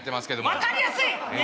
分かりやすい！ねえ。